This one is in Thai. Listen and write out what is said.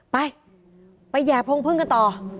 ไปไปแห่พรงพึ่งกันต่อ